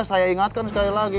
saya ingatkan sekali lagi